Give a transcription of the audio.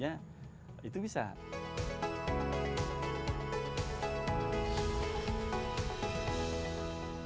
jadi kita bisa menggunakan alat tanam menggunakan robotik